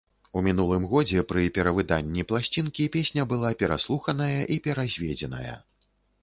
У мінулым годзе пры перавыданні пласцінкі песня была пераслуханая і перазведзеная.